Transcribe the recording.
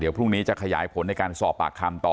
พรุ่งนี้จะขยายผลในการสอบปากคำต่อ